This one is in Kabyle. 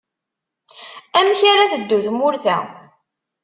Amek ara teddu tmurt-a.